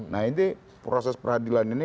nah ini proses peradilan ini